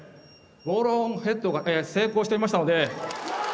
ボールオンヘッドが成功していましたので。